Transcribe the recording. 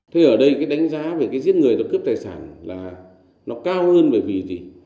thế ở đây cái đánh giá về cái giết người và cướp tài sản là nó cao hơn bởi vì gì